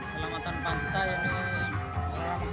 selamatan pantai ini